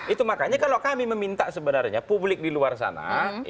itu makanya kalau kami meminta sebenarnya publik di luar sana